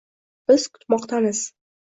Biz kutmoqdamiz